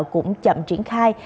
cũng chậm triển khai